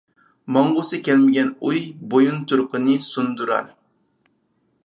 ماڭغۇسى كەلمىگەن ئۇي، بويۇنتۇرۇقنى سۇندۇرار.